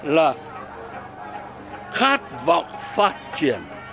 là khát vọng phát triển